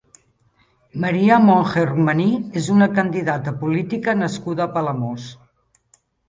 María Monje Romaní és una candidata política nascuda a Palamós.